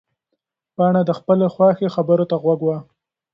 پاڼه د خپلې خواښې خبرو ته غوږ وه.